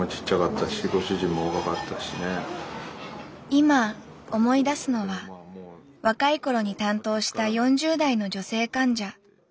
今思い出すのは若い頃に担当した４０代の女性患者。